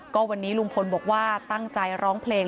ก็วันนี้ลุงพลบอกว่าตั้งใจร้องเพลง